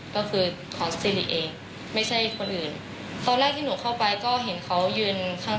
ก็คือล้อมอ่านก็ก็คือคอนสตรีลิเอง